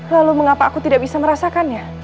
lalu mengapa aku tidak bisa merasakannya